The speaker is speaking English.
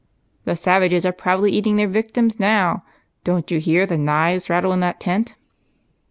" The savages are probably eating their victims now ; don't you hear the knives rattle in that tent